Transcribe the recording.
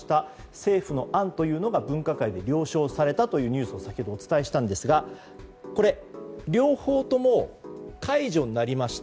政府の案というのが分科会で了承されたニュースを先ほどお伝えしたんですが両方とも解除になりました。